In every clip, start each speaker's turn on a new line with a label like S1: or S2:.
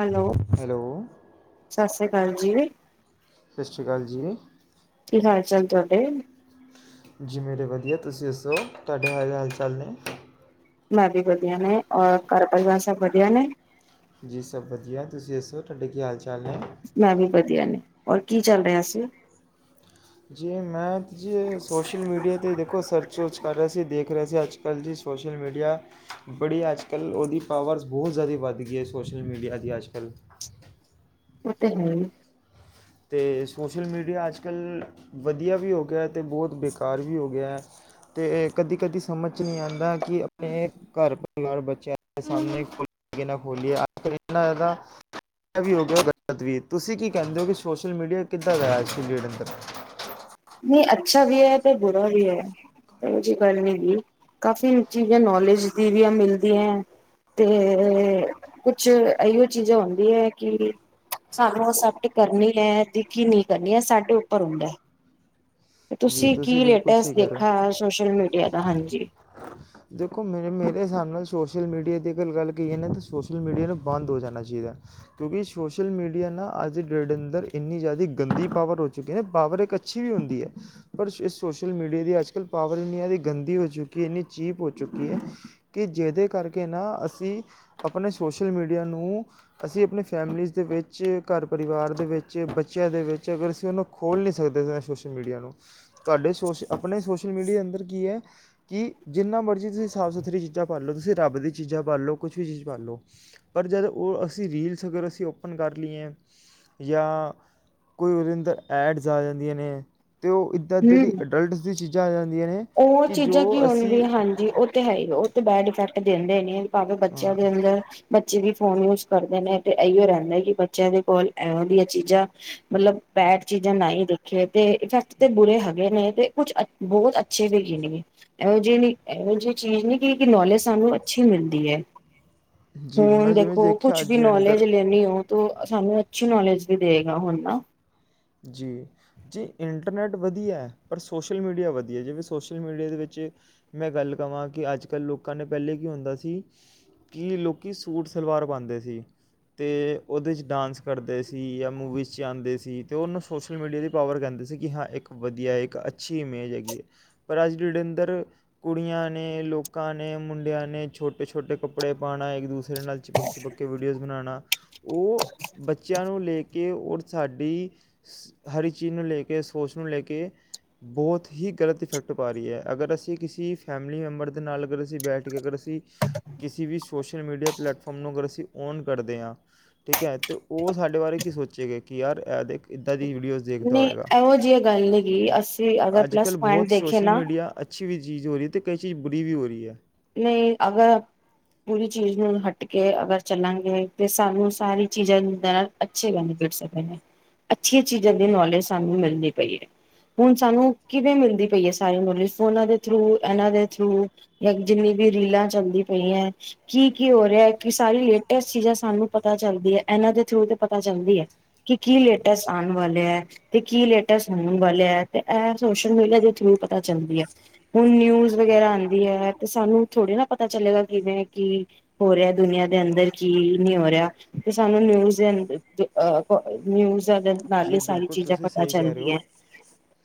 S1: Hello
S2: hello
S1: ਸਤਿ ਸ੍ਰੀ ਅਕਾਲ ਜੀ ਜੀਵੇਂ
S2: ਸਤਿ ਸ਼੍ਰੀ ਅਕਾਲ ਜੀ
S1: ਚੱਲ ਤੌਡੇ
S2: ਜੀ ਮੇਰੇ ਵਧੀਆ ਤੁਸੀਂ ਦੱਸੋ ਤੁਹਾਡੇ ਹ ਹਾਲ ਚਾਲ ਨੇ
S1: ਮੈਂ ਵੀ ਵਧੀਆ ਨੇ, ਔਰ ਘਰ ਪਰਿਵਾਰ ਸਭ ਵਧੀਆ ਨੇ?
S2: ਜੀ ਸਭ ਵਧੀਆ। ਤੁਸੀਂ ਦੱਸੋ, ਤੁਹਾਡੇ ਕੀ ਹਾਲ - ਚਾਲ ਨੇ?
S1: ਮੈਂ ਵੀ ਵਧੀਆ ਨੇ, ਔਰ ਕੀ ਚੱਲ ਰਿਹਾ ਸੀ?
S2: ਜੀ ਔ ਮੈਂ ਜੀ ਔ ਸੋਸ਼ਲ ਮੀਡੀਆ 'ਤੇ ਦੇਖੋ ਸਰਚ ਵਰਚ ਕਰ ਰਿਹਾ ਸੀ। ਦੇਖ ਰਿਹਾ ਸੀ ਅੱਜ-ਕੱਲ੍ਹ ਅਜ-ਕੱਲ੍ਹ ਦੀ ਸੋਸ਼ਲ ਮੀਡੀਆ, ਬੜੀ ਅੱਜ- ਕੱਲ੍ਹ, ਓਹਦੀ ਪਾਵਰਜ ਬਹੁਤ ਜ਼ਿਆਦਾ ਵੱਧ ਗਈ ਏ ਸੋਸ਼ਲ ਮੀਡੀਆ ਦੀ ਅਜ-ਕੱਲ।
S1: ਇਹ ਤੇੇ ਹੈ ਹੀ।
S2: ਅਤੇ ਸੋਸ਼ਲ ਮੀਡੀਆ ਅੱਜ-ਕੱਲ੍ਹ ਵਧੀਆ ਵੀ ਹੋ ਗਿਆ ਤੇ ਬਹੁਤ ਬੇਕਾਰ ਵੀ ਹੋ ਗਿਆ ਹੈ ਤੇ ਕਦੀ-ਕਦੀ ਸਮਝ 'ਚ ਨੀ ਆਂਦਾ ਕਿ ਆਪਣੇ ਘਰ-ਪਰਿਵਾਰ, ਬੱਚਿਆਂ ਦੇ ਸਾਹਮਣੇ ਖੋਲਿਏ ਕਿ ਨਾ ਖੋਲੀਏ। ਅੱਜ-ਕੱਲ ਇੰਨਾ ਜ਼ਿਆਦਾ [unintelligible] ਵੀ ਹੋ ਗਿਆ, ਗਲਤ ਵੀ। ਤੁਸੀਂ ਕੀ ਕਹਿੰਦੇ ਹੋ ਕਿ? ਸੋਸ਼ਲ ਮੀਡੀਆ ਕਿੱਦਾਂ ਦਾ ਐ? ਅੱਜ ਦੀ ਡੇਟ ਅੰਦਰ।
S1: ਨਹੀਂ, ਅੱਛਾ ਵੀ ਹੈ ਤੇ ਬੁਰਾ ਵੀ ਹੈ। ਇਹੋ ਜਿਹੀ ਗੱਲ ਨੀ ਵੀ, ਕਾਫ਼ੀ ਚੀਜ਼ਾਂ ਨੌਲੇਜ ਦੀ ਵੀ ਆ ਮਿਲਦੀਆਂ ਤੇ ਕੁਛ ਇਹੋ ਚੀਜ਼ਾਂ ਹੁੰਦੀਆਂ ਕਿ ਸਾਨੂੰ ਅਸੈਪਟ ਕਰਨੀ ਹੈ ਕਿ ਨਹੀਂ ਕਰਨੀ। ਐ ਸਾਡੇ ਉੱਪਰ ਹੁੰਦਾ। ਤੇ
S2: ਜੀ
S1: ਤੁਸੀਂ ਕੀ
S2: ਬਿਲਕੁਲ
S1: ਲੇਟੈਸਟ
S2: ਸਹੀ ਕਹਿ ਰਹੇ ਹੋ
S1: ਦੇਖਣਾ ਹੈ? ਸੋਸ਼ਲ ਮੀਡੀਆ ਦਾ, ਹਾਂਜੀ।
S2: ਦੇਖੋ ਮੇਰੇ ਮੇਰੇ ਹਿਸਾਬ ਨਾਲ ਸੋਸ਼ਲ ਮੀਡੀਆ ਦੀ ਅਗਰ ਗੱਲ ਕਰੀਏ ਨਾ, ਤਾਂ ਸੋਸ਼ਲ ਮੀਡੀਆ ਨੂੰ ਬੰਦ ਹੋ ਜਾਣਾ ਚਾਹੀਦਾ ਕਿਉਂਕਿ ਸੋਸ਼ਲ ਮੀਡੀਆ ਨਾ ਅੱਜ ਦੀ ਡੇਟ ਦੇ ਅੰਦਰ ਇੰਨੀ ਜ਼ਿਆਦਾ ਗੰਦੀ ਪਾਵਰ ਹੋ ਚੁੱਕੀ ਹੈ। ਪਾਵਰ ਇੱਕ ਅੱਛੀ ਵੀ ਹੁੰਦੀ ਹੈ। ਪਰ ਸੋ-ਸੋਸ਼ਲ ਮੀਡੀਆ ਦੀ ਅੱਜ-ਕੱਲ੍ਹ ਪਾਵਰ ਇੰਨੀ ਜਿਆਦੇ ਗੰਦੀ ਹੋ ਚੁੱਕੀ ਹੈ, ਇੰਨੀ ਚੀਪ ਹੋ ਚੁੱਕੀ ਹੈ ਕਿ ਜਿਹਦੇ ਕਰਕੇ ਨਾ ਅਸੀਂ ਆਪਣੇ ਸੋਸ਼ਲ ਮੀਡੀਆ ਨੂੰ ਅਸੀਂ ਆਪਣੇ ਫੈਮਲੀਜ਼ ਦੇ ਵਿੱਚ, ਘਰ ਪਰਿਵਾਰ ਦੇ ਵਿੱਚ, ਬੱਚਿਆਂ ਦੇ ਵਿੱਚ, ਅਗਰ ਅਸੀਂ ਉਹਨੂੰ ਖੋਲ੍ਹ ਨਹੀਂ ਸਕਦੇ ਸੋਸ਼ਲ ਮੀਡੀਆ ਨੂੰ। ਤੁਹਾਡੇ ਸੋਸ਼, ਆਪਣੇ ਸੋਸ਼ਲ ਮੀਡੀਆ ਦੇ ਅੰਦਰ ਕੀ ਹੈ ਕਿ ਜਿੰਨਾ ਮਰਜ਼ੀ ਤੁਸੀਂ ਸਾਫ ਸੁਥਰੀ ਚੀਜ਼ਾਂ ਭਰ ਲਓ, ਤੁਸੀਂ ਰੱਬ ਦੀ ਚੀਜ਼ਾਂ ਭਰ ਲਓ। ਕੁਛ ਵੀ ਚੀਜ਼ ਭਰ ਲਓ ਪਰ ਜਦ ਉਹ ਅਸੀਂ ਰੀਲਸ ਅਗਰ ਅਸੀਂ ਓਪਨ ਕਰ ਲਈਏ ਜਾਂ ਕੋਈ ਉਹਦੇ ਅੰਦਰ ਐਡਸ ਆ ਜਾਂਦੀਆਂ ਨੇ ਤੇ ਉਹ ਇੱਦਾਂ ਇਧਾਂ ਦੀ
S1: ਹਮ
S2: ਅਡਲਟ ਦੀ ਚੀਜ਼ ਜਾਇ
S1: ਉਹ ਚੀਜ਼ਾਂ ਕੀ ਹੁੰਦੀਆਂ। ਹਾਂਜੀ, ਉਹ ਤੇ ਹੈ ਹੀ, ਉਹ ਤੇ ਬੈਡ ਇਫੈਕਟ ਦਿੰਦੇ ਨੇ ਭਾਵੇਂ ਬੱਚਿਆਂ ਦੇ ਅੰਦਰ ਬੱਚੇ ਵੀ ਫੋਨ ਯੂਜ ਕਰਦੇ ਨੇ ਤੇ ਇਹੀਓ ਰਹਿੰਦਾ ਕਿ ਬੱਚਿਆਂ ਦੇ ਕੋਲ ਏ ਵਾਲੀਆਂ ਚੀਜ਼ਾਂ, ਮਤਲਬ ਬੈਡ ਚੀਜ਼ਾਂ ਨਾ ਈ ਦੇਖੇ ਤੇ ਇਫੈਕਟ ਤੇ ਬੁਰੇ ਹੈਗੇ ਨੇ ਤੇ ਕੁਛ ਅੱਛ, ਬਹੁਤ ਅੱਛੇ ਵੀ ਹੈਗੇ ਨੀਗੇ। ਇਹੋ ਜਿਹੇ ਨੇ, ਇਹੋ ਜੀ ਚੀਜ਼ ਨੀ ਕਿ ਨੌਲੇਜ ਸਾਨੂੰ ਅੱਛੀ ਮਿਲਦੀ ਹੈ।
S2: ਜੀ
S1: ਹੁਣ
S2: ਮੈਂ ਜਿਵੇਂ
S1: ਦੇਖੋ,
S2: ਦੇਖਿਆ
S1: ਕੁਛ
S2: ਅੱਜ
S1: ਵੀ
S2: ਦੇ
S1: ਨੌਲੇਜ
S2: ਅੰਦਰ
S1: ਲੈਣੀ ਹੋ ਤੋ ਸਾਨੂੰ ਅੱਛੀ ਨੌਲੇਜ ਵੀ ਦੇਗਾ ਹੁਣ ਨਾ।
S2: ਜੀ, ਜੀ ਇੰਟਰਨੈੱਟ ਵਧੀਆ ਪਰ ਸੋਸ਼ਲ ਮੀਡੀਆ ਵਧੀਆ। ਜਿਵੇਂ ਸੋਸ਼ਲ ਮੀਡੀਆ ਦੇ ਵਿੱਚ ਮੈਂ ਗੱਲ ਕਹਾਂ ਕਿ ਅੱਜ-ਕੱਲ੍ਹ ਲੋਕਾਂ ਨੇ ਪਹਿਲੇ ਕੀ ਹੁੰਦਾ ਸੀ ਕਿ ਲੋਕ ਸੂਟ ਸਲਵਾਰ ਪਾਉਂਦੇ ਸੀ ਅਤੇ ਉਹਦੇ 'ਚ ਡਾਂਸ ਕਰਦੇ ਸੀ ਜਾਂ ਮੂਵੀਜ਼ 'ਚ ਆਉਂਦੇ ਸੀ। ਤੇ ਉਹਨੂੰ ਸੋਸ਼ਲ ਮੀਡੀਆ ਦੀ ਪਾਵਰ ਕਹਿੰਦੇ ਸੀ ਕਿ ਹਾਂ ਇੱਕ ਵਧੀਆ, ਇੱਕ ਅੱਛੀ ਇਮੇਜ ਹੈਗੀ ਹੈ ਪਰ ਅੱਜ ਦੇ ਡੇ ਅੰਦਰ ਕੁੜੀਆਂ ਨੇ, ਲੋਕਾਂ ਨੇ, ਮੁੰਡਿਆਂ ਨੇ, ਛੋਟੇ-ਛੋਟੇ ਕੱਪੜੇ ਪਾਉਣਾ ਇੱਕ ਦੂਸਰੇ ਨਾਲ ਚਿਪਕ-ਚਿਪਕ ਕੇ ਵੀਡੀਓਜ਼ ਬਣਾਉਣਾ ਉਹ, ਬੱਚਿਆਂ ਨੂੰ ਲੇ ਕੇ, ਔਰ ਸਾਡੀ ਹਰ ਇੱਕ ਚੀਜ਼ ਨੂੰ ਲੈ ਕੇ, ਸੋਚ ਨੂੰ ਲੈ ਕੇ, ਬਹੁਤ ਹੀ ਗਲਤ ਇਫੈਕਟ ਪਾ ਰਹੀ ਹੈ। ਅਗਰ ਅਸੀਂ ਕਿਸੀ ਫੈਮਿਲੀ ਮੈਂਬਰ ਦੇ ਨਾਲ ਅਗਰ ਅਸੀਂ ਬੈਠ ਕੇ, ਅਗਰ ਅਸੀਂ ਕਿਸੀ ਵੀ ਸੋਸ਼ਲ ਮੀਡੀਆ ਪਲੇੈਟਫਾਰਮ ਨੂੰ ਅਗਰ ਅਸੀਂ ਔਨ ਕਰਦੇ ਆਂ। ਠੀਕ ਐ, ਤਾਂ ਓਹ ਸਾਡੇ ਬਾਰੇ ਕੀ ਸੋਚੇਗਾ ਕਿ ਯਾਰ ਐ ਦੇਖ ਇੱਦਾਂ ਦੀ ਵੀਡੀਓਜ਼ ਦੇਖਦਾ
S1: ਨੀਂ,
S2: ਹੋਏਗਾ
S1: ਇਹੋ ਜਿਹੀ ਗੱਲ ਨੀਗੀ, ਅਸੀਂ ਅਗਰ
S2: ਅੱਜ
S1: ਪਲਸ
S2: ਕੱਲ੍ਹ
S1: ਪੌਇੰਟ
S2: ਬਹੁਤ
S1: ਦੇਖੀਏ
S2: ਸੋਸ਼ਲ
S1: ਨਾ
S2: ਮੀਡੀਆ ਅੱਛੀ ਵੀ ਚੀਜ਼ ਹੋ ਰੀ ਤੇ ਕਈ ਚੀਜ਼ ਵਧੀਆ ਵੀ ਹੋ ਰੀ ਏ।
S1: ਨਹੀਂ ਅਗਰ ਬੂਰੀ ਚੀਜ਼ ਨੂੰ ਹਟ ਕੇ ਅਗਰ ਚੱਲਾਂਗੇ ਤੇ ਸਾਨੂੰ ਸਾਰੀ ਚੀਜ਼ਾਂ ਨਾਲ ਅੱਛੇ ਬੈਨੀਫਿਟਸ ਹੈਗੇ ਨੇ। ਅੱਛੀਆਂ ਚੀਜ਼ਾਂ ਦੀ ਨੌਲੇਜ ਸਾਨੂੰ ਮਿਲਦੀ ਪਈ ਹੈ। ਹੁਣ ਸਾਨੂੰ ਕਿਵੇਂ ਮਿਲਦੀ ਪਈ ਹੈ ਸਾਰੀ ਨੋਲੇਜ? ਫੋਨਾਂ ਦੇ ਥਰੂ, ਇਹਨਾਂ ਦੇ ਥਰੂ ਜਾਂ ਜਿੰਨੀ ਵੀ ਇਹ ਰੀਲਾਂ ਚੱਲਦੀ ਪਈਆਂ ਹੈ। ਕੀ-ਕੀ ਹੋ ਰਿਹਾ ਕਿ ਸਾਰੀ ਲੇਟੈਸਟ ਚੀਜ਼ਾਂ ਸਾਨੂੰ ਪਤਾ ਚੱਲਦੀ ਹੈ। ਇਹਨਾਂ ਦੇ ਥਰੂ ਤੇ ਪਤਾ ਚੱਲਦੀ ਏ ਕਿ ਕੀ ਲੇਟੈਸਟ ਆਉਣ ਵਾਲੇ ਏ ਤੇ ਕੀ ਲੇਟੈਸਟ ਹੋਣ ਵਾਲੇ ਏ? ਤੇ ਇਹ ਸੋਸ਼ਲ ਮੀਡੀਆ ਦੇ ਥਰੂ ਪਤਾ ਚੱਲਦੀ ਏ। ਹੁਣ ਨਿਊਜ਼ ਵਗੈਰਾ ਆਂਦੀ ਏ ਤੇ ਸਾਨੂੰ ਥੋੜੀ ਨਾ ਪਤਾ ਚਲੇਗਾ, ਕਿਵੇਂ ਕੀ ਹੋ ਰਿਹਾ ਦੁਨੀਆਂ ਦੇ ਅੰਦਰ ਕੀ ਨੀ ਹੋ ਰਿਹਾ? ਤੇ ਸਾਨੂੰ ਨਿਊਜ਼ ਦੇ ਅੰ ਨਿਊਜ਼ ਦੇ ਨਾਲ
S2: ਜੀ
S1: ਹੀ ਸਾਰੀ
S2: ਬਿਲਕੁਲ,
S1: ਚੀਜ਼ਾਂ
S2: ਤੁਸੀਂ
S1: ਪਤਾ
S2: ਸਈ ਕਹਿ ਰੇ
S1: ਚੱਲਦੀ
S2: ਓ।
S1: ਹੈ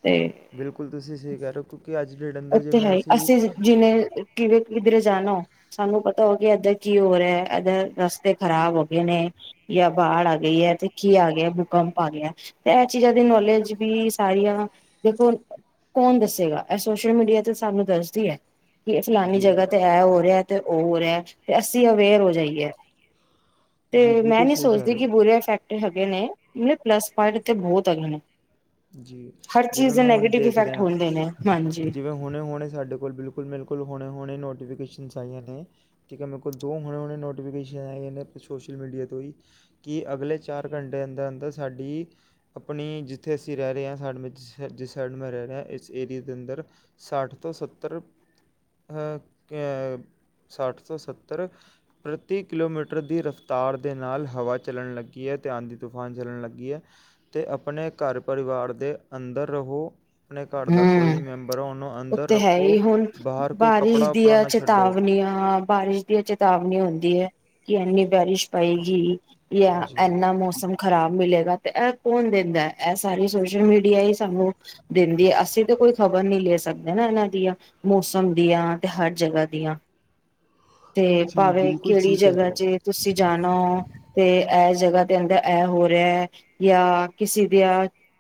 S1: ਤੇ
S2: ਬਿਲਕੁਲ, ਤੁਸੀਂ ਸਹੀ ਕਹਿ ਰੇ ਓ, ਕਿਉਂਕਿ ਅੱਜ ਦੀ ਡੇਟ
S1: ਉਹ
S2: ਅੰਦਰ ਜਿਵੇਂ ਅਸੀਂ
S1: ਕਿੱਧਰੇ ਜਾਣਾ, ਸਾਨੂੰ ਪਤਾ ਹੋ ਕਿ ਏਧਰ ਕੀ ਓ ਰਿਆ? ਏਧਰ ਰਸਤੇ ਖ਼ਰਾਬ ਹੈਗੇ ਨੇ ਜਾਂ ਬਾੜ ਆ ਗਈ ਏ ਤੇ ਕੀ ਆ ਗਿਆ ਭੂਕੰਪ ਆ ਗਿਆ ਤੇ ਇਹ ਚੀਜ਼ਾਂ ਦੀ ਨੌਲੇਜ ਵੀ ਸਾਰੀਆਂ। ਦੇਖੋ, ਕੌਣ ਦੱਸੇਗਾ? ਇਹ ਸੋਸ਼ਲ ਮੀਡੀਆ ਤੇ ਸਾਨੂੰ ਦੱਸਦੀ ਏ ਕਿ ਫਲਾਨੀ
S2: ਜੀ
S1: ਜਗ੍ਹਾ ਤੇ ਐ ਹੋ ਰਿਹਾ ਤੇ ਓ ਹੋਰੇਆ। ਤੇ ਅਸੀਂ ਅਵੇਅਰ ਹੋ ਜਾਈਏ।
S2: ਜੀ
S1: ਤੇ ਮੈਂ
S2: ਬਿਲਕੁਲ
S1: ਨੀ
S2: ਸਹੀ ਕਹਿ
S1: ਸੋਚਦੀ
S2: ਰਹੇ
S1: ਕਿ
S2: ਹੋ
S1: ਬੁਰੇ ਈਫੈਕਟ ਏ ਹੈਗੇਨੇ ਪਲੱਸ ਪੌਇੰਟ ਤੇ ਬੋਹਤ ਹੈਗੇ ਨੇ
S2: ਜੀ
S1: ਹਰ
S2: ਜਿਵੇਂ
S1: ਚੀਜ਼ ਦੇ
S2: ਮੈਂ ਹੁਣ
S1: ਨੈਗੇਟਿਵ
S2: ਦੇਖ
S1: ਇਫੈਕਟ
S2: ਰਿਹਾ
S1: ਹੁੰਦੇ ਨੇ ਹਾਂਜੀ
S2: ਜਿਵੇਂ ਹੁਣੇ ਹੋੁਣੇ ਸਾਡੇ ਕੋਲ ਬਿਲਕੁਲ ਬਿਲਕੁਲ ਹੋਣੇ ਹੁਣੇ ਨੋਟੀਫਿਕੇਸ਼ਨਸ ਆਈਆਂ ਨੇ ਠੀਕ ਹੈ ਮੇਰੇ ਕੋਲ ਦੋ ਹਣੇ ਹੁਣੇ ਨੋਟੀਫਿਕੇਸ਼ਨ ਆਈਆਂ ਨੇ ਸੋਸ਼ਲ ਮੀਡੀਆ ਤੋਂ ਹੀ ਕਿ ਅਗਲੇ ਚਾਰ ਘੰਟੇ ਅੰਦਰ ਅੰਦਰ ਸਾਡੀ ਅਪਣੀ ਜਿਸ ਜੱਥੇ ਅਸੀਂ ਰੇ ਰਏ ਆਂ ਸਾਡੇ ਮੈਂ ਜਿਸ ਜਿਸ ਸਾਈਡ ਮੈਂ ਰੇ ਰੇਆਂ ਇਸ ਏਰੀਏ ਦੇ ਅੰਦਰ ਸੱਠ ਤੋਂ ਸੱਤਰ ਸੱਠ ਤੋਂ ਸੱਤਰ ਪ੍ਰਤੀ ਕਿਲੋਮੀਟਰ ਦੀ ਰਫਤਾਰ ਦੇ ਨਾਲ ਹਵਾ ਚੱਲਣ ਲੱਗੀ ਏ ਧਿ ਆਂਦੀ ਤੂਫਾਨ ਚੱਲਣ ਲੱਗੀ ਏ ਅਤੇ ਅਪਣੇ ਘਰ ਪਰਿਵਾਰ ਦੇ ਅੰਦਰ ਰਹੋ ਘਰ ਦਾ ਕੋਈ
S1: ਹਮ
S2: ਵੀ ਮੈਂਬਰ ਹੈ ਉਹਨੂੰ
S1: ਉਹ
S2: ਅੰਦਰ
S1: ਤੇ ਹੈ
S2: ਰੱਖੋ
S1: ਹੀ ਹੁਣ
S2: ਬਾਹਰ ਕੋਈ ਕੱਪੜਾ
S1: ਬਾਰਿਸ਼
S2: ਵੱਪੜਾ
S1: ਦੀਆਂ
S2: ਨਾ ਛੱਡੋ
S1: ਚੇਤਾਵਨੀਆਂ ਬਾਰਿਸ਼ ਦੀਆਂ ਚੇਤਾਵਨੀਆਂ ਹੁੰਦੀਆਂ ਕਿ ਇੰਨੀ ਬਾਰਿਸ਼ ਪਏਗੀ ਜਾਂ
S2: ਜੀ
S1: ਇੰਨਾ ਮੌਸਮ ਖ਼ਰਾਬ ਮਿਲੇਗਾ ਤੇ ਇਹ ਕੌਣ ਦਿੰਦਾ ਇਹ ਸਾਰੀ ਸੋਸ਼ਲ ਮੀਡੀਆ ਹੀ ਸਾਨੂੰ ਦਿੰਦੀ ਆ ਅਸੀਂ ਤਾਂ ਕੋਈ ਖ਼ਬਰ ਨੀ ਲੈ ਸਕਦੇ ਨਾ ਇਹਨਾਂ ਦੀਆਂ ਮੌਸਮ ਦੀਆਂ ਤੇ ਹਰ ਜਗ੍ਹਾ ਦੀਆਂ ਤੇ
S2: ਜੀ
S1: ਭਾਵੇਂ
S2: ਬਿਲਕੁਲ
S1: ਕਿਹੜੀ
S2: ਸਹੀ ਕਹਿ ਰਹੇ
S1: ਜਗ੍ਹਾ
S2: ਹੋ
S1: ਚ ਤੁਸੀਂ ਜਾਣਾ ਹੋ ਤੇ ਇਹ ਜਗ੍ਹਾ ਦੇ ਅੰਦਰ ਇਹ ਹੋ ਰਿਹਾ ਹੈ ਜਾਂ ਕਿਸੇ ਦੀ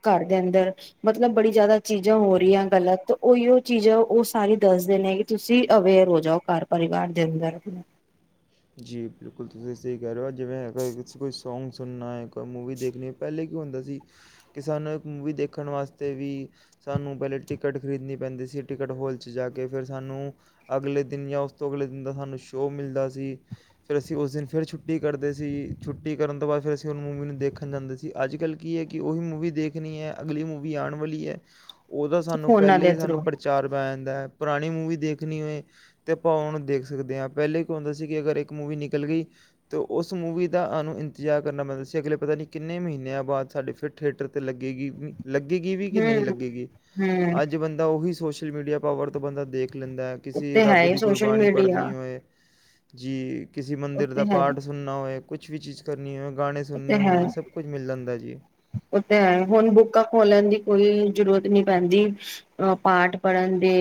S1: ਘਰ ਦੇ ਅੰਦਰ ਮਤਲਬ ਬੜੀ ਜ਼ਿਆਦਾ ਚੀਜ਼ਾਂ ਹੋ ਰਹੀਆਂ ਗਲਤ ਉਹੀਓ ਚੀਜ਼ਾਂ ਉਹ ਸਾਰੀ ਦੱਸਦੇ ਨੇ ਕਿ ਤੁਸੀਂ ਅਵੇਅਰ ਹੋ ਜਾਓ ਘਰ ਪਰਿਵਾਰ ਦੇ ਅੰਦਰ ਆਪਣੇ
S2: ਜੀ ਬਿਲਕੁਲ ਤੁਸੀਂ ਸਹੀ ਕਹਿ ਰਹੇ ਹੋ ਅੱ ਜਿਵੇਂ ਕੋਈ ਸੌਗ ਸੁਨਾਇਕ ਮੂਵੀ ਦੇਖਣੀ ਹੈ ਪਹਿਲੇ ਕੀ ਹੁੰਦਾ ਸੀ ਕਿ ਸਾਨੂੰ ਇੱਕ ਮੂਵੀ ਦੇਖਣ ਵਾਸਤੇ ਵੀ ਸਾਨੂੰ ਪਹਿਲੇ ਟਿਕਟ ਖਰੀਦਣੀ ਪੈਂਦੀ ਸੀ ਟਿਕਟ ਹਲ 'ਚ ਜਾ ਕੇ ਫਿਰ ਸਾਨੂੰ ਅਗਲੇ ਦਿਨ ਜਾਂ ਉਸ ਤੋਂ ਅਗਲੇ ਦਿਨ ਦਾ ਸਾਨੂੰ ਸ਼ੋਅ ਮਿਲਦਾ ਸੀ ਫਿਰ ਅਸੀਂ ਉਸ ਦਿਨ ਫਿਰ ਛੁੱਟੀ ਕਰਦੇ ਸੀ ਛੁੱਟੀ ਕਰਨ ਤੋਂ ਬਾਅਦ ਫਿਰ ਅਸੀਂ ਉਸ ਮੂਵੀ ਨੂੰ ਦੇਖਣ ਜਾਂਦੇ ਸੀ ਅੱਜ ਕੱਲ੍ਹ ਕੀ ਹੈ ਕਿ ਉਹੀ ਮੂਵੀ ਦੇਖਣੀ ਹੈ ਅਗਲੀ ਮੂਵੀ ਆਉਣ ਵਾਲੀ ਹੈ ਉਹਦਾ ਸਾਨੂੰ
S1: ਫੋਨਾਂ
S2: ਪਹਿਲੇਾਂ
S1: ਦੇ
S2: ਹੀ
S1: ਥਰੂ
S2: ਸਾਨੂੰ ਪ੍ਰਚਾਰ ਬਣਾਣ ਪੁਰਾਣੀ ਮੂਵੀ ਦੇਖਣੀ ਹੋਏ ਤੇ ਭਾਵ ਨੂੰ ਦੇਖ ਸਕਦੇ ਹਾਂ ਪਹਿਲੇ ਕੀ ਹੁੰਦਾ ਸੀ ਕਿ ਅਗਰ ਇੱਕ ਮੂਵੀ ਨਿਕਲ ਗਈ ਤਾਂ ਉਸ ਮੂਵੀ ਦਾ ਆਨੂੰ ਇੰਤਜ਼ਾਰ ਕਰਨਾ ਪੈਂਦਾ ਸੀ ਅਗਲੇ ਪਤਾ ਨਹੀਂ ਕਿੰਨੇ ਮਹੀਨਿਆਂ ਬਾਅਦ ਸਾਡੇ ਫਿਰ ਥੀਏਟਰ 'ਤੇ ਲੱਗੇਗੀ ਲੱਗੇਗੀ ਵੀ ਕਿ ਨਹੀਂ
S1: ਹਮ
S2: ਲੱਗੇਗੀ
S1: ਹਮ
S2: ਅੱਜ ਬੰਦਾ ਉਹੀ ਸੋਸ਼ਲ ਮੀਡੀਆ ਪਾਵਰ ਤੋਂ ਬੰਦਾ ਦੇਖ ਖ ਲੈਂਦੈ ਕਿਸੀ
S1: ਉਤੇ ਹੈ
S2: ਰੱਬ
S1: ਹੀ
S2: ਦੀ ਕੋਈ
S1: ਸੋਸ਼ਲ
S2: ਬਾਣੀ ਪੜ੍ਹਨੀ
S1: ਮੀਡੀਆ
S2: ਹੋਏ ਜੀ ਕਿਸੇ ਮੰਦਰ
S1: ਉਤੇ
S2: ਦਾ ਪਾਠ ਸੁਣਨਾ ਹੋਏ ਕੁਛ ਵੀ ਚੀਜ਼ ਕਰਨੀ ਹੈ
S1: ਓਹ ਤੇ ਹੈ ਓਹ ਤੇ ਹੈ ਹੁਣ ਬੁੱਕਾਂ ਖੋਲਨ ਦੀ ਕੋਈ ਜਰੂਰਤ ਨੀ ਪੈਂਦੀ ਅ ਪਾਠ ਪੜ੍ਹਨ ਦੇ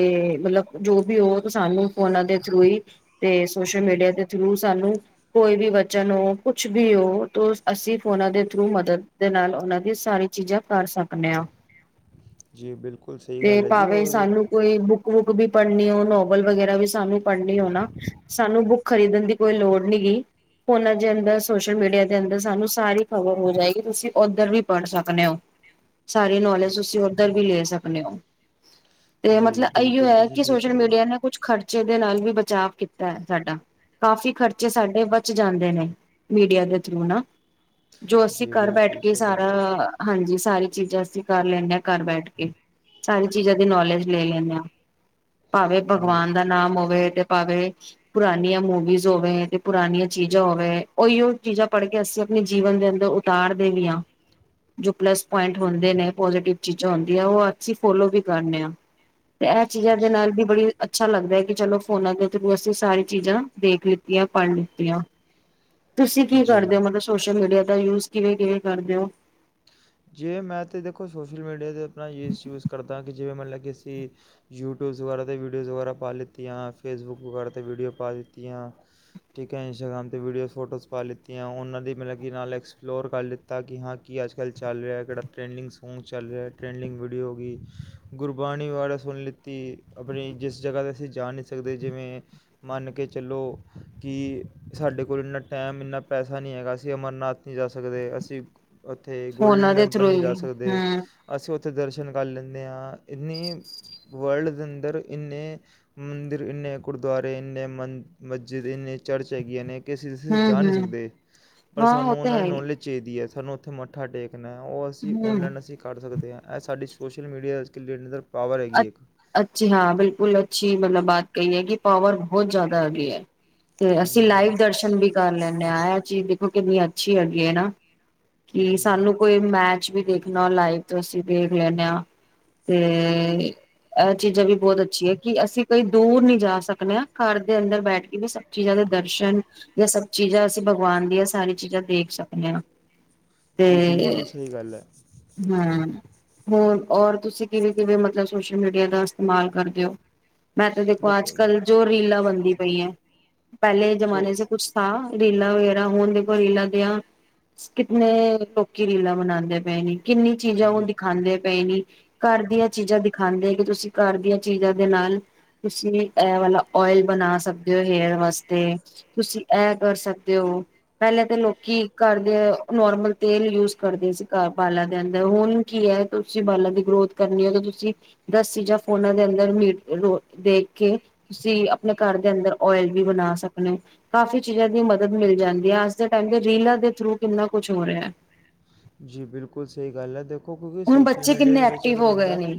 S1: ਮਤਲਬ ਜੋ ਵੀ ਹੋ ਸਾਨੂੰ ਫੋਨਾਂ ਦੇ ਥਰੂ ਹੀ ਤੇ ਸੋਸ਼ਲ ਮੀਡੀਆ ਦੇ ਥਰੂ ਸਾਨੂੰ ਕੋਈ ਵੀ ਵਚਨ ਹੋ ਕੁਛ ਭੀ ਹੋ ਅਸੀਂ ਫੋਨਾਂ ਦੇ ਥਰੂ ਮਦਦ ਦੇ ਨਾਲ ਓਹਨਾਂ ਦੀ ਸਾਰੀ ਚੀਜਾਂ ਕਰ ਸਕਨੇ ਆਂ
S2: ਜੀ ਬਿਲਕੁਲ ਸਹੀ
S1: ਤੇ
S2: ਗੱਲ ਹੈ ਜੀ
S1: ਭਾਵੇਂ
S2: ਔਰ
S1: ਸਾਨੂੰ ਕੋਈ ਬੁੱਕ ਵੁੱਕ ਵੀ ਪੜ੍ਹਨੀ ਹੋ ਨੋਵਲ ਵਗੈਰਾ ਵੀ ਸਾਨੂੰ ਪੜ੍ਹਨੀ ਹੋ ਨਾ ਸਾਨੂੰ ਬੁੱਕ ਖਰੀਦਣ ਦੀ ਕੋਈ ਲੋੜ ਨੀ ਗੀ ਫੋਹਨਾਂ ਦੇ ਅੰਦਰ ਸੋਸ਼ਲ ਮੀਡੀਆ'ਹ ਅੰਦਰ ਸਾਨੂੰ ਸਾਰੀ ਖ਼ਬਰ ਹੋ ਜਾਏਗੀ ਤੁਸੀਂ ਉੱਧਰ ਵੀ ਪੜ੍ਹ ਸਕਨੋ ਓ ਸਾਰੀ ਨੌਲੇਜ ਤੁਸੀਂ ਉੱਧਰ ਵੀ ਲੈ ਸਕਨੇ ਓ ਤੇ
S2: ਜੀ
S1: ਮਤਲਬ ਐਓ
S2: ਬਿਲਕੁਲ
S1: ਹੇ
S2: ਤੁਸੀਂ
S1: ਕਿ
S2: ਸਹੀ
S1: ਸੋਸ਼ਲ
S2: ਕਹਿ ਰਹੇ ਹੋ।
S1: ਮੀਡੀਆ ਨੇ ਕੁੱਛ ਖਰਚ ਖਰਚੇ ਦੇ ਨਾਲ ਵੀ ਬਚਾਅ ਕੀਤਾ ਹੈ ਸਾਡਾ ਕਾਫ਼ੀ ਖਰਚੇ ਸਾਡੇ ਬਚ ਜਾਂਦੇ ਨੇ ਮੀਡੀਆ ਦੇ ਹੈਣਾ ਜੋ ਅਸੀਂ
S2: ਜੀ
S1: ਘਰ ਬੈਠ
S2: ਬਿਲਕੁਲ
S1: ਕੇ
S2: ਸਹੀ ਕਹਿ
S1: ਸਾਰਾ
S2: ਰਹੇ ਹੋ।
S1: ਹਾਂਜੀ ਸਾਰੀ ਚੀਜਾਂ ਅਸੀਂ ਕਰ ਲੈਂਣੇ ਆ ਘਰ ਬੈਠ ਕੇ ਸਾਰੀ ਚੀਜਾ ਦੀ ਨੌਲੇਜ ਲੈ ਲੈਂਨੇ ਆਂ ਭਾਵੇਂ
S2: ਜੀ।
S1: ਭਗਵਾਨ ਦਾ ਨਾਮ ਹੋਵੇ ਤੇ ਪਾਵੇ ਪੁਰਾਣੀਆਂ ਮੂਵੀਜ਼ ਹੋਵੇ ਤੇ ਪੁਰਾਣੀਆਂ ਚੀਜ਼ਾਂ ਹੋਵੇ ਉਹੀਓ ਚੀਜ਼ਾਂ ਪੜ੍ਹ ਕੇ ਅਸੀਂ ਆਪਣੇ ਜੀਵਨ ਦੇ ਅੰਦਰ ਉਤਾਰਦੇ ਵੀ ਹਾਂ ਜੋ ਪਲੱਸ ਪੁਆਇੰਟ ਹੁੰਦੇ ਨੇ ਪੋਜ਼ਟਿਵ ਚੀਜ਼ਾਂ ਹੁੰਦੀਆਂ ਉਹ ਅਸੀਂ ਫੋਲੋ ਵੀ ਕਰਨੇ ਆ ਤੇ ਇਹ ਚੀਜ਼ਾਂ ਦੇ ਨਾਲ ਵੀ ਬੜੀ ਅੱਛਾ ਲੱਗਦੈ ਕਿ ਚਲੋ ਫੋਨਾਂ ਦੇ ਥਰੂ ਅਸੀਂ ਸਾਰੀ ਚੀਜਾ ਦੇਖ ਲਿੱਤੀਆਂ ਪੜ੍ਹ ਲਿੱਤੀਆਂ ਤੁਸੀਂ ਕੀ
S2: ਜੀ ਜੀ
S1: ਕਰਦੇ ਓ ਮਤਲਬ ਸੋਸ਼ਲ ਮੀਡੀਆ ਦਾ ਯੂਜ ਕਿਵੇਂ ਕਿਵੇਂ ਕਰਦੇ ਓ
S2: ਜੇ ਮੈਂ ਤਾਂ ਦੇਖੋ ਸੋਸ਼ਲ ਮੀਡੀਆ 'ਤੇ ਆਪਣਾ ਯੂਜ਼ ਯੂਜ਼ ਕਰਦਾ ਕਿ ਜਿਵੇਂ ਮਤਲਬ ਕਿ ਅਸੀਂ ਯੂਟਿਊਬਜ਼ ਵਗੈਰਾ 'ਤੇ ਵੀਡੀਓਜ਼ ਵਗੈਰਾ ਪਾ ਲਿੱਤੀਆਂ ਫੇਸਬੁੱਕ ਵਗੈਰਾ 'ਤੇ ਵੀਡੀਓ ਪਾ ਲਿੱਤੀਆਂ ਠੀਕ ਹੈ ਇੰਸਟਾਗ੍ਰਾਮ 'ਤੇ ਵੀਡੀਓਜ਼ ਫੋਟੋਸ ਪਾ ਲਿੱਤੀਆਂ ਓਹਨਾਂ ਦੀ ਮਤਲਬ ਕਿ ਨਾਲ ਐਕਸਪਲੋਰ ਕਰ ਲਿੱਤਾ ਕਿ ਹਾਂ ਕੀ ਅੱਜ ਕੱਲ੍ਹ ਚੱਲ ਰਿਹਾ ਕਿਹੜਾ ਟਰੈਂਡਿੰਗ ਸੌਂਗ ਚੱਲ ਰਿਹਾ ਟਰੈਂਡਿੰਗ ਵੀਡੀਓ ਹੋ ਗਈ ਗੁਰਬਾਣੀ ਵਾ ਸੁਣ ਲਿੱਤੀ ਆਪਣੀ ਜਿਸ ਜਗ੍ਹਾ 'ਤੇ ਅਸੀਂ ਜਾ ਨਹੀਂ ਸਕਦੇ ਜਿਵੇਂ ਮੰਨ ਕੇ ਚੱਲੋ ਕਿ ਸਾਡੇ ਕੋਲ ਇੰਨਾ ਟਾਈਮ ਇੰਨਾ ਪੈਸਾ ਨਹੀਂ ਹੈਗਾ ਅਸੀਂ ਅਮਰਨਾਥ ਨਹੀਂ ਜਾ ਸਕਦੇ ਅਸੀਂ ਓੱਥੇ ਗੋਲਡਨ
S1: ਫੋਨਾਂ ਦੇ
S2: ਟੈਂਪਲ
S1: ਥਰੂ
S2: ਨਹੀਂ
S1: ਹੀ
S2: ਜਾ
S1: ਹਮ
S2: ਸਕਦੇ ਅਸੀਂ ਓੱਥੇ ਦਰਸ਼ਨ ਕਰ ਲੈਂਦੇ ਹਾਂ ਇੰਨੀ ਵਰਲਡ ਦੇ ਅੰਦਰ ਇੰਨੇ ਮੰਦਰ ਇੰਨੇ ਗੁਰਦੁਆਰੇ ਇੰਨੇ ਮਨ ਮਸਜਿਦ ਇੰਨੇ ਚਰਚ ਹੈਗੀਆਂ ਨੇ ਕਿ ਅਸੀਂ ਜਾ
S1: ਹਮ
S2: ਨਹੀਂ
S1: ਹਮ
S2: ਸਕਦੇ ਪਰ
S1: ਹਾਂ ਉਹ
S2: ਸਾਨੂੰ
S1: ਤਾਂ
S2: ਉਹਨਾਂ
S1: ਹੈ
S2: ਦੀ
S1: ਹੀ
S2: ਨੌਲੇਜ ਚਾਹੀਦੀ ਏ ਸਾਨੂੰ ਉਥੇ ਮੱਥਾ ਟੇਕ ਉਹ ਅਸੀਂ
S1: ਹਮ।
S2: ਔਨਲਾਈਨ ਅਸੀਂ ਕੱਢ ਸਕਦੇ ਹਾਂ ਸਾਡੀ ਸੋਸ਼ਲ ਮੀਡੀਆ ਅੱਜੱਲ ਨਜ਼ਰ
S1: ਅੱ ਅੱਛੀ ਹਾਂ ਬਿਲਕੁਲ ਅੱਛੀ ਮਤਲਬ ਬਾਤ ਕਹੀਏ ਕਿ ਪਾਵਰ ਬਹੁਤ ਜਿਆਦਾ ਆਗੀਈ ਹੈ ਤੇ ਅਸੀਂ
S2: ਹਾਂਜੀ
S1: ਲਾਈਵ ਦਰਸ਼ਨ ਵੀ ਕਰ ਲੈਂਨੇ ਆਂ ਐ ਚੀਜ ਵਿ ਕਿੰਨੀ ਅੱਛੀ ਹੈਗੀ ਹੈ ਨਾ ਕਿ
S2: ਜੀ
S1: ਸਾਨੂੰ ਕੋਈ ਮੈਚ ਵੀ ਦੇਖ ਨੋ ਲਾਈਵ ਤੋਂ ਅਸੀਂ ਦੇਖ ਲੈਂਨੇ ਆਂ ਤੇ ਇਹਹ ਚੀਜ਼ਾਂ ਵੀ ਬਹੁਤ ਅੱਛੀ ਹੈ ਕਿ ਅਸੀਂ ਕਈ ਦੂਰ ਨੀ ਜਾ ਸਕਦੇ ਹਾਂ ਘਰ ਦੇ ਅੰਦਰ ਬੈਠ ਕੇ ਵੀ ਸਭ ਚੀਜ਼ਾਂ ਦੇ ਦਰਸ਼ਨ ਜਾਂ ਸਭ ਚੀਜ਼ਾਂ ਅਸੀਂ ਭਗਵਾਨ ਦੀਆਂ ਸਾਰੀ ਚੀਜ਼ਾਂ ਦੇਖ ਸਕਦੇ ਹਾਂ ਤੇ
S2: ਜੀ ਬਿਲਕੁਲ ਸਹੀ ਗੱਲ ਹੈ
S1: ਹਮ ਹੋਣ ਔਰ ਤੁਸੀਂ ਕਿਵੇਂ ਕਿਵੇਂ ਮਤਲਬ ਸੋਸ਼ਲ ਮੀਡੀਆ ਦਾ ਇਸਤੇਮਾਲ ਕਰਦੇਓ ਮੈਂ ਤਾਂ ਦੇਖੋ ਅੱਜ ਕੱਲ ਜੋ ਰੀਲਾਂ ਬਣਦੀ ਪਈਐੰ ਪਹਿਲੇ
S2: ਸੋ
S1: ਜਮਾਨੇ ਸੇ ਕੁਛ ਥਾ ਰੀਲਾਂ ਵਗੈਰਾ ਹੁਣ ਦੇਖੋ ਰੀਲਾਂ ਦੀਆਂ ਕਿਤਨੇ ਲੋਕੀ ਰੀਲਾਂ ਬਨਾਉਂਦੇ ਪਏ ਨੇ ਕਿੰਨੀ ਚੀਜ਼ਾਂ ਓਹ
S2: ਜੀ
S1: ਦਿਖਾਂਦੇ ਪਏ ਨੇ ਘਰ ਦੀਆਂ ਚੀਜ਼ਾਂ ਤੁਸੀਂ ਘਰ ਦੀਆਂ ਚੀਜ਼ਾਂ ਦੇ ਨਾਲ ਤੁਸੀਂ ਇਹ ਵਾਲਾ ਓਇਲ ਬਣਾ ਸਕਦੇ ਹੋ ਹੇਅਰ ਵਾਸਤੇ ਤੁਸੀਂ ਇਹ ਕਰ ਸਕਦੇ ਹੋ ਪਹਿਲੇਾਂ ਤੇ ਲੋਕੀ ਘਰ ਦੇ ਨੋਰਮਲ ਤੇਲ ਯੂਜ ਕਰਦੇ ਸੀ ਘ ਬਾਲਰ ਦੇ ਅੰਦਰ ਹੁਣ ਕੀ ਹੈ ਤੁਸੀਂ ਬਾਲਰ ਦੀ ਗਰੋਥ ਕਰਨੀ ਤੁਸੀਂ ਦਸ ਚੀਜ਼ਾਂ ਫੋਨਾ ਦੇ ਅੰਦਰ ਮ ਦੇਖ ਕੇ ਤੁਸੀ ਆਪਣੇ ਘਰ ਦੇ ਅੰਦਰ ਓਇਲ ਵੀ ਬਣਾ ਸਕਦੇ ਕਾਫੀ ਚੀਜ਼ਾਂ ਦੀ ਮਦਦ ਮਿਲ ਜਾਂਦੀ ਹੈ ਅਜ ਦੇਮ ਰੀਲਾਂ ਦੇ ਥਰੂ ਕਿੰਨਾ ਕੁਛ ਹੋ ਰਿਹਾ ਹੈ
S2: ਜੀ ਬਿਲਕੁਲ ਸਹੀ ਗੱਲ ਹੈ ਦੇਖੋ ਦੇਖੋ ਕਿਉਂਕਿ
S1: ਹੁਣ
S2: ਸੋਸ਼ਲ
S1: ਬੱਚੇ
S2: ਮੀਡੀਆ
S1: ਕਿੰਨੇ
S2: ਦੇ ਵਿੱਚ
S1: ਐਕਟਿਵ
S2: ਅਗਰ
S1: ਹੋ ਗਏ
S2: ਬੰਦਾ
S1: ਨੇ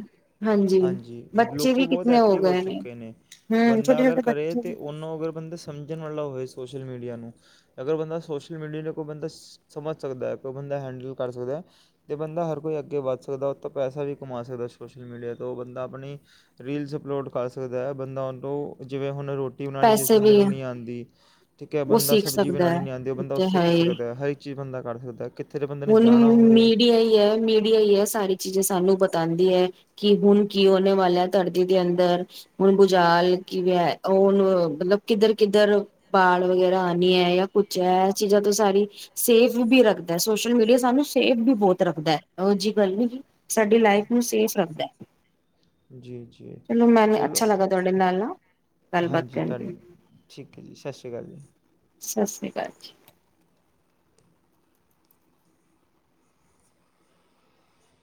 S2: ਹਾਂਜੀ
S1: ਬੱਚੇ
S2: ਲੋਕ
S1: ਵੀ
S2: ਬਹੁਤ
S1: ਕਿਤਨੇ
S2: ਐਕਟਿਵ ਹੋ
S1: ਗਏ
S2: ਚੁੱਕੇ ਨੇ
S1: ਹਮ
S2: ਬੰਦਾ
S1: ਛੋਟੇ
S2: ਅਗਰ
S1: ਛੋਟੇ
S2: ਕਰੇ
S1: ਬੱਚੇ
S2: ਤਾਂ ਉਹਨੂੰ ਅਗਰ ਬੰਦਾ ਸਮਝਣ ਵਾਲਾ ਹੋਵੇ ਸੋਸ਼ ਅਗਰ ਬੰਦਾ ਸ਼ੋਸ਼ਲ ਮੀਡੀਆ ਨੂੰ ਕੋਈ ਬੰਦਾ ਸਮਝ ਸਕਦਾ ਹੈ ਕਰ ਸਕਦਾ ਅਤੇ ਬੰਦਾ ਹਰ ਕੋਈ ਅੱਗੇ ਵੱਧ ਸਕਦਾ, ਓਹ ਤੋਂ ਪੈਸਾ ਵੀ ਕਮਾ ਸਕਦਾ ਸੋਸ਼ਲ ਮੀਡੀਆ ਤੋਂ ਬੰਦਾ ਆਪਣੀ ਰੀਲਸ ਅਪਲੋਡ ਕਰ ਸਕਦਾ, ਬੰਦਾ ਉਹ ਤੋਂ ਜਿਵੇਂ ਹੁਣ ਰੋਟੀ ਰੋਟੀ ਬਣਾਣੀ ਜਿਸ
S1: ਪੈਸੇ
S2: ਬਦੇ
S1: ਵੀ
S2: ਨੂੰ ਨਹੀਂ ਆਂਦੀ ਠੀਕ ਹੈ
S1: ਉਹ
S2: ਬੰਦਾ
S1: ਸੀਖ
S2: ਸਬਜ਼ੀ
S1: ਸਕਦਾ
S2: ਬਣਾਉਣੀ
S1: ਹੈ
S2: ਨੀ ਆਉਂਦੀ ਉਹ ਬੰਦਾ ਉਹ
S1: ਤੇ ਹੈ
S2: ਸਿੱਖ
S1: ਹੀ
S2: ਸਕਦਾ ਹਰ ਇੱਕ ਚੀਜ਼ ਬੰਦਾ ਕਰ ਸਕਦਾ ਕਿੱਥੇ ਦੇ ਬੰਦੇ ਨੇ
S1: ਹੁਣ
S2: ਜਾਣਾ ਹੋਵੇ
S1: ਮੀਡੀਆ ਈ ਐ, ਮੀਡੀਆ ਈ ਐ, ਸਾਰੀ ਚੀਜਾ ਸਾਨੂੰ ਪਤਾ ਤਾਉਂਦੀ ਹੈ ਕਿ ਹੁਣ ਕੀ ਓਹਨੇ ਵਾਲੈ ਧਰਤੀ ਦੇ ਅੰਦਰ ਹੁਣ ਬੁਝਾਲ ਕਿਵੇ ਮਤਲਬ ਕਿੱਧਰ, ਕਿੱਧਰ ਬਾੜ ਵਗੈਰਾ ਆਨੀ ਏ ਜਾਂ ਕੁਛ ਹੈ ਚੀਜ਼ਾਂ ਤੋਂ ਸਾਰੀ ਸੇਫ ਵੀ ਰੱਖਦਾ ਸੋਸ਼ਲ ਮੀਡੀਆ ਸਾਨ ਸੇਫ ਵੀ ਬਹੁਤ ਰੱਖਦਾ ਓਜੀ ਗੱਲ ਨੀ ਗੀ ਸਾਡੀ ਲਾਇਫ ਨੂੰ ਸੇਫ ਰੱਖਦੈ।
S2: ਜੀ, ਜੀ ਚਲੋ
S1: ਅੱਛਾ ਲੱਗਾ ਤੁਹਾਡੇ ਨਾਲ ਨਾ ਗੱਲਬਾਤ
S2: ਹਾਂਜੀ ਧੋਨ
S1: ਕਰਕੇ
S2: ਠੀਕ ਹੈ, ਜੀ ਸਤਿ ਸ਼੍ਰੀ ਅਕਾਲ ਜੀ।
S1: ਸਤਿ ਸ੍ਰੀ ਅਕਾਲ ਜੀ।